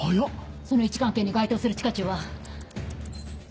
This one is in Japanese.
その位置関係に該当する地下駐は。